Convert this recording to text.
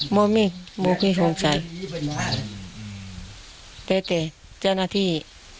มันไม่มีใครชมภูมิแต่แต่เจ้าหน้าที่